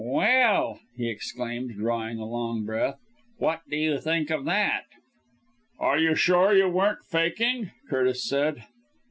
"Well!" he exclaimed, drawing a long breath; "what do you think of that!" "Are you sure you weren't faking?" Curtis said.